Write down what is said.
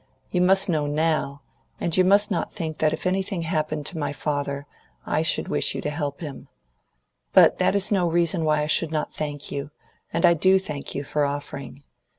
You must know now, and you must not think that if anything happened to my father, I should wish you to help him. But that is no reason why I should not thank you, and I do thank you, for offering.